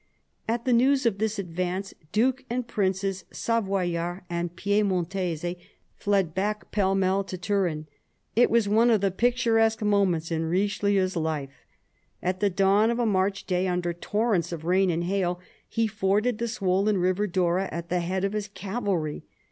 At the news of this advance, Duke and princes, Savoyards and Piedmontese, fled back pell mell to Turin. It was one of the picturesque moments in Richelieu's life. At the dawn of a March day, under torrents of rain and hail, he forded the swollen river Dora at the head of his cavalry.